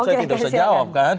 saya tidak usah jawab kan